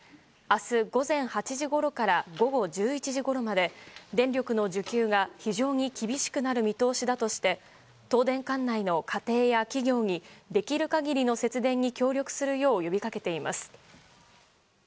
明日午前８時ごろから午後１１時ごろまで電力の需給が非常に厳しくなる見通しだとして東電管内の家庭や企業にできる限りの節電に協力するよう呼びかけています。